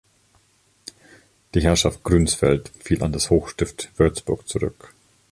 Die Herrschaft Grünsfeld fiel an das Hochstift Würzburg zurück.